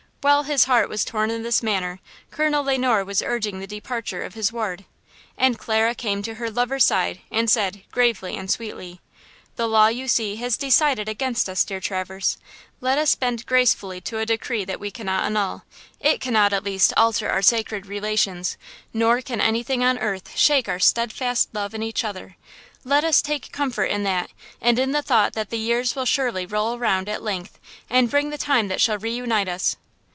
While his heart was torn in this manner, Colonel Le Noir was urging the departure of his ward. And Clara came to her lover's side and said, gravely and sweetly: "The law, you see, has decided against us, dear Traverse! Let us bend gracefully to a decree that we cannot annul! It cannot, at least, alter our sacred relations; nor can anything on earth shake our steadfast faith in each other; let us take comfort in that, and in the thought that the years will surely roll round at length and bring the time that shall reunite us."